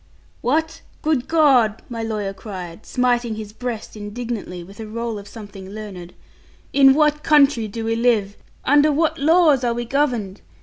'What! Good God!' my lawyer cried, smiting his breast indignantly with a roll of something learned; 'in what country do we live? Under what laws are we governed?